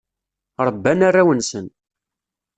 Rebban arraw-nsen.